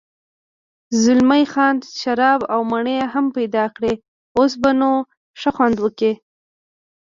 زلمی خان شراب او مڼې هم پیدا کړې، اوس به نو ښه خوند وکړي.